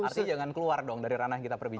artinya jangan keluar dong dari ranah kita berbicara